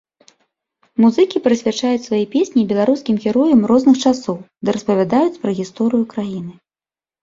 Музыкі прысвячаюць свае песні беларускім героям розных часоў ды распавядаюць пра гісторыю краіны.